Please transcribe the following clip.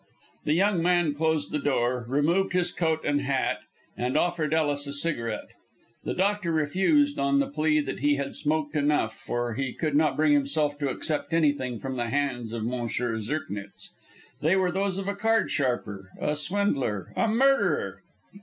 The young man closed the door, removed his coat and hat, and offered Ellis a cigarette. The doctor refused on the plea that he had smoked enough, for he could not bring himself to accept anything from the hands of M. Zirknitz. They were those of a card sharper, a swindler a murderer!